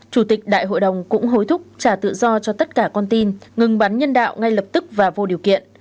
chủ tịch đại hội đồng cũng hối thúc trả tự do cho tất cả con tin ngừng bắn nhân đạo ngay lập tức và vô điều kiện